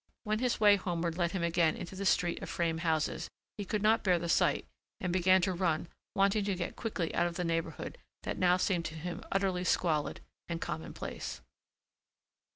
When his way homeward led him again into the street of frame houses he could not bear the sight and began to run, wanting to get quickly out of the neighborhood that now seemed to him utterly squalid and commonplace.